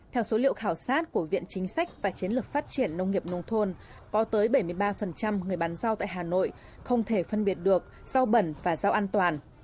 theo số liệu khảo sát của viện chính sách và chiến lược phát triển nông nghiệp nông thôn có tới bảy mươi ba người bán rau tại hà nội không thể phân biệt được rau bẩn và rau an toàn